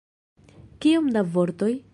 Kiom da vortoj?